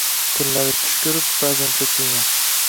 Tunlari tush ko’rib, ba’zan cho’chiyman